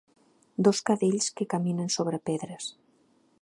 Dos cadells que caminen sobre pedres.